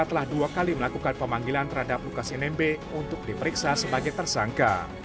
telah dua kali melakukan pemanggilan terhadap lukas nmb untuk diperiksa sebagai tersangka